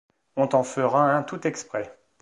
On t’en fera un tout exprès.